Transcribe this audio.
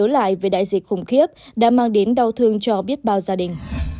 lại về đại dịch khủng khiếp đã mang đến đau thương cho biết bao gia đình